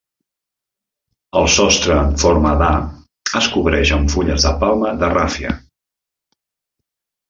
El sostre en forma d'A es cobreix amb fulles de palma de ràfia.